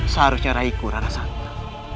seharusnya raiku rana santa